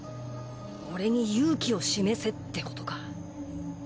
俺に勇気を示せってことか。